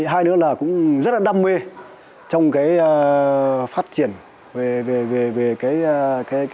hai đứa là cũng rất là đam mê trong phát triển về bản sắc dân tộc mường đặc biệt là về cổng chiêng